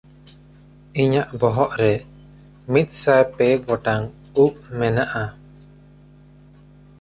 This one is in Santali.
ᱤᱧᱟᱜ ᱵᱚᱦᱚᱜ ᱨᱮ ᱢᱤᱫᱥᱟᱭ ᱯᱮ ᱜᱚᱴᱟᱝ ᱩᱵ ᱢᱮᱱᱟᱜᱼᱟ᱾